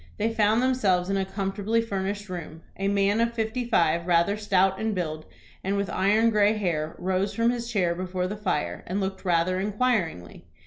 They found themselves in a comfortably furnished room. A man of fifty five, rather stout in build, and with iron gray hair, rose from his chair before the fire, and looked rather inquiringly.